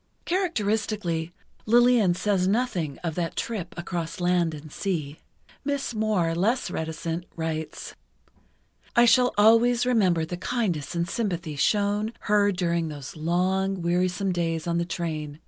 Characteristically, Lillian says nothing of that trip across land and sea. Miss Moir, less reticent, writes: I shall always remember the kindness and sympathy shown her during those long wearisome days on the train